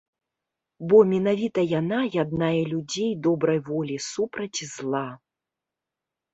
Бо менавіта яна яднае людзей добрай волі супраць зла.